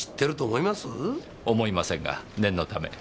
思いませんが念のため。